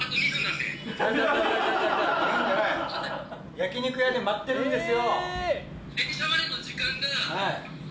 焼き肉屋で待ってるんですよ。